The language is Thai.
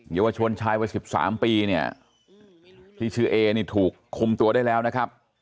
เยาวชนชายวัย๑๓ปีเนี่ยที่ชื่อเอนี่ถูกคุมตัวได้แล้วนะครับ